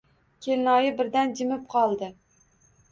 Kelinoyi birdan jimib qoldi.